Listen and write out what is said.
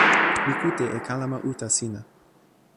mi kute e kalama uta sina.